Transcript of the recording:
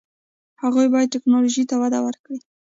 هغوی باید ټیکنالوژي ته وده ورکړي.